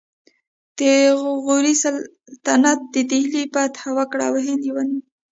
د غوري سلطنت د دهلي فتحه وکړه او هند یې ونیو